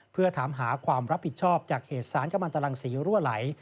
เพื่อถามหาความรับผิดชอบจากเหตุสารกำลังตรังศรีรั่วไหล